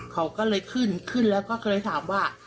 เขาก็เลยขึ้นขึ้นแล้วก็เคยถามว่า